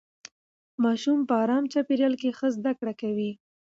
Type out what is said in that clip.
ماشومان په ارام چاپېریال کې ښه زده کړه کوي